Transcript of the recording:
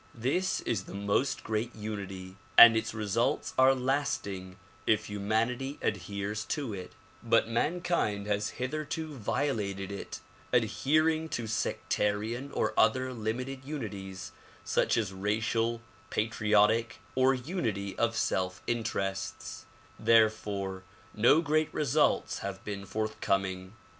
This is the most great unity, and its results are lasting if humanity ad heres to it ; but mankind has hitherto violated it, adhering to sec tarian or other limited unities such as racial, patriotic or unity of self interests; therefore no great results have been forthcoming.